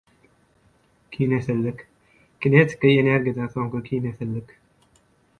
Kinesizlik. Kinetiki energiýadan soňky kinesizlik.